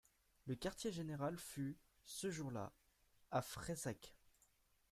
Le quartier-général fut, ce jour-là, à Freisack.